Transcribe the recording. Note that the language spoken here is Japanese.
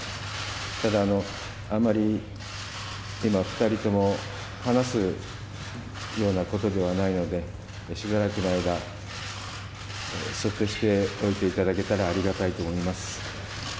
ただ、あまり今、２人とも、話すようなことではないので、しばらくの間、そっとしておいていただけたらありがたいと思います。